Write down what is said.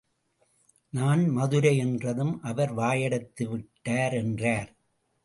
நான் மதுரை என்றதும் அவர் வாயடைத்து விட்டார் என்றார்.